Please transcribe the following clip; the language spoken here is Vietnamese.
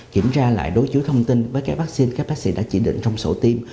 kiểm tra lại đối chiếu thông tin với các vaccine các bác sĩ đã chỉ định trong sổ tiêm